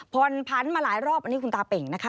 ผ่อนผันมาหลายรอบอันนี้คุณตาเป่งนะคะ